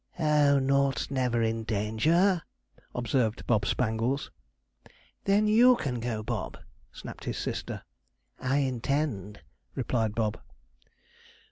'Oh, nought's never in danger!' observed Bob Spangles. 'Then you can go, Bob,' snapped his sister. 'I intend,' replied Bob.